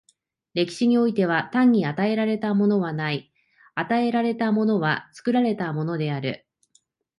歴史においては、単に与えられたものはない、与えられたものは作られたものである。